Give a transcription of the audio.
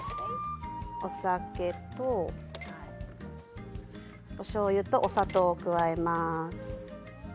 お酒としょうゆとお砂糖を加えます。